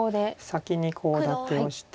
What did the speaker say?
先にコウ立てをして。